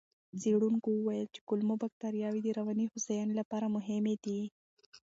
څېړونکو وویل چې کولمو بکتریاوې د رواني هوساینې لپاره مهمې دي.